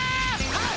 はい！